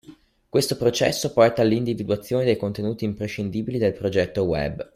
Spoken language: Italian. Questo processo porta all’individuazione dei contenuti imprescindibili del progetto web.